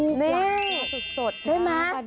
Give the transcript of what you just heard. อู้วปลาสดใช่ไหม